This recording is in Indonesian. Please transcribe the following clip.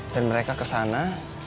dan mereka kesana